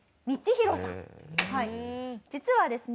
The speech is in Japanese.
実はですね